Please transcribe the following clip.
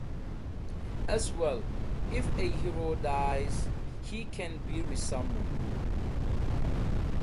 As well, if a hero dies, he can be resummoned.